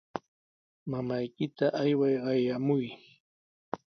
Mamaykita ayway qayamuy.